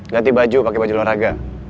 ganti baju pake baju luar raga